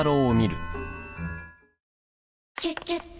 「キュキュット」